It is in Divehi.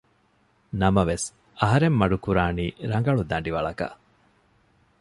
ނަމަވެސް އަހަރެން މަޑު ކުރާނީ ރަނގަޅު ދަނޑިވަޅަކަށް